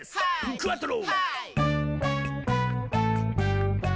クアトロ！」